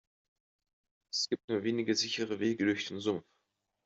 Es gibt nur wenige sichere Wege durch den Sumpf.